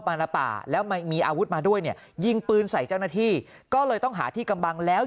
ปานาป่าแล้วมีอาวุธมาด้วยเนี่ยยิงปืนใส่เจ้าหน้าที่ก็เลยต้องหาที่กำบังแล้ว